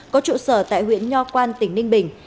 có trụ sở tại huyện nho quan tỉnh ninh bình